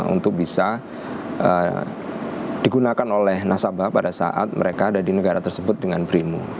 untuk bisa digunakan oleh nasabah pada saat mereka ada di negara tersebut dengan brimo